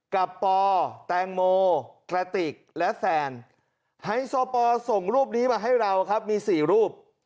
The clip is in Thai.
กับปอแตงโมกระติกและแซนไฮโซปอลส่งรูปนี้มาให้เราครับมี๔รูป